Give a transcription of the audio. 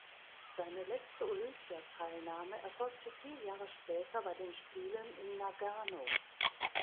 Seine letzte Olympiateilnahme erfolgte vier Jahre später bei den Spielen in Nagano.